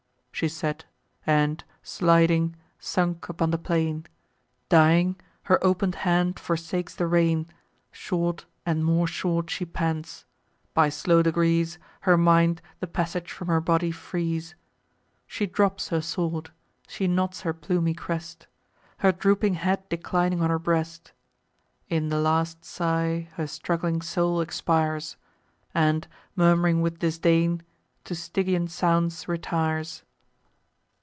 She said, and, sliding, sunk upon the plain: Dying, her open'd hand forsakes the rein; Short, and more short, she pants; by slow degrees Her mind the passage from her body frees. She drops her sword; she nods her plumy crest, Her drooping head declining on her breast: In the last sigh her struggling soul expires, And, murm'ring with disdain, to Stygian sounds retires.